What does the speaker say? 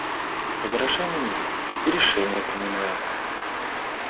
Возражений нет, и решение принимается.